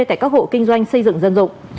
tại các hộ kinh doanh xây dựng dân dụng